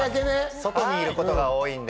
外にいることが多いんで。